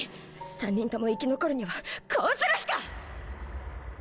三人とも生き残るにはこうするしか！